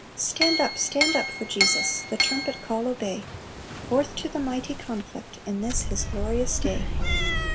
"Stand up, stand up for Jesus! The trumpet call obey; Forth to the mighty conflict, In this His glorious day!"